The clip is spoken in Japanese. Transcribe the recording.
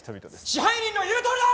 支配人の言うとおりだー！